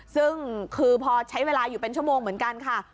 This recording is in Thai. ซึ่งคือพอใช้เวลาอยู่เป็นชั่วโมงเหมือนกันค่ะ